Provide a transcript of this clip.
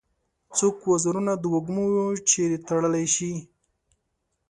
څوک وزرونه د وږمو چیري تړلای شي؟